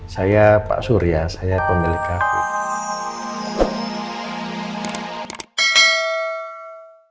saya pak surya saya pemilik kafe